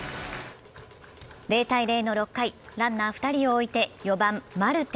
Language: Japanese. ０−０の６回、ランナー２人を置いて４番・マルテ。